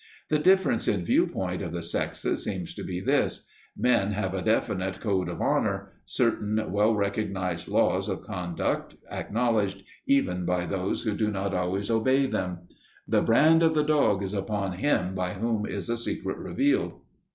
The difference in viewpoint of the sexes seems to be this: men have a definite code of honour, certain well recognized laws of conduct acknowledged even by those who do not always obey them. "The brand of the dog is upon him by whom is a secret revealed."